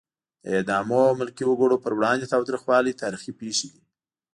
د اعدامونو او ملکي وګړو پر وړاندې تاوتریخوالی تاریخي پېښې دي.